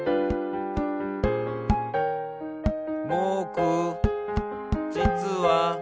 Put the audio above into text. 「ぼくじつは」